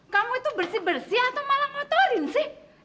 kamu itu bersih bersih atau malah ngotorin sih